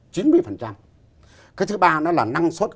cái thứ ba nó là năng suất